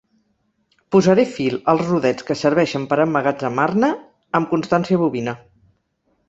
Posaré fil als rodets que serveixen per emmagatzemar-ne amb constància bovina.